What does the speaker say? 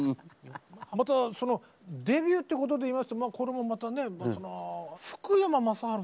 またそのデビューってことで言いますとこれもまたね